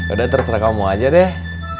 udah terserah kamu aja deh